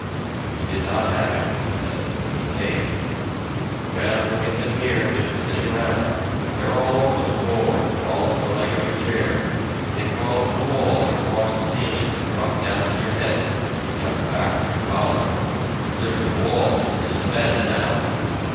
"We did not have any," we said, "when we came." "Well, you'll get them here, just sitting around. They're all over the floor and crawl up the leg of your chair; they crawl up the wall and across the ceiling and drop down on your head and down the back of your collar; they're in the walls and in the beds now.